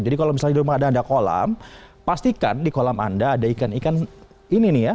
kalau misalnya di rumah ada anda kolam pastikan di kolam anda ada ikan ikan ini nih ya